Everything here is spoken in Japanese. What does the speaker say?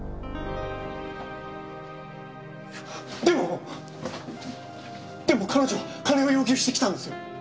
でもでも彼女金を要求してきたんですよ。